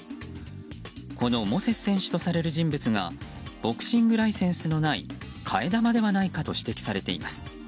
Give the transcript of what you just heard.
このモセス選手とされる人物がボクシングライセンスのない替え玉ではないかと指摘されています。